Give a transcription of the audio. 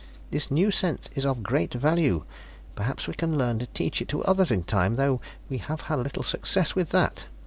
This new sense is of great value; perhaps we can learn to teach it to others in time, though we have had little success with that.